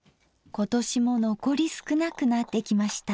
今年も残り少なくなってきました。